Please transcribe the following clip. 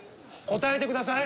答えてください！